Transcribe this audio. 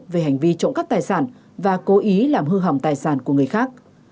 về hành vi trộm cắp tài sản và cố ý làm hư hỏng tài sản của người khác